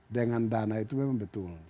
dengan dana itu memang betul